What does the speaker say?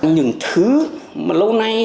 những thứ mà lâu nay